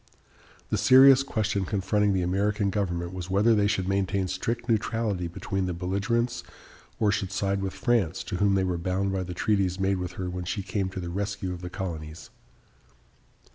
The serious question confronting the American government was whether they should maintain strict neutrality between the belligerents or should side with France, to whom they were bound by the treaties made with her when she came to the rescue of the colonies.